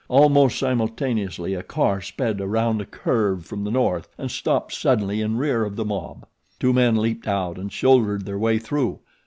Almost simultaneously a car sped around a curve from the north and stopped suddenly in rear of the mob. Two men leaped out and shouldered their way through.